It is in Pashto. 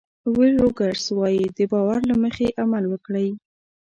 ویل روګرز وایي د باور له مخې عمل وکړئ.